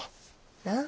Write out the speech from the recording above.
なあ？